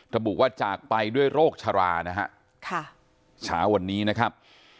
ระบุว่าจากไปด้วยโรคชรานะฮะค่ะเช้าวันนี้นะครับ